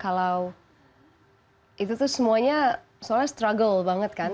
kalau itu tuh semuanya soalnya struggle banget kan